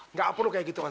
nggak perlu kayak gitu mas